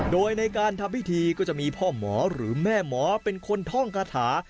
โดยในการทำพิธีก็จะมีพ่อหมอหรือแม่หมอเป็นคนท่องคาถา